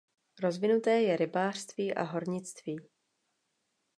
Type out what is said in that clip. Rozvinuté je rybářství a hornictví.